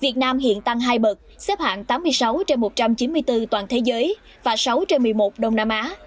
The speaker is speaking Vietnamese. việt nam hiện tăng hai bậc xếp hạng tám mươi sáu trên một trăm chín mươi bốn toàn thế giới và sáu trên một mươi một đông nam á